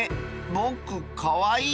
ぼくかわいい？